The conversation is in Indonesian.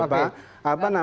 jadi itu tadi ya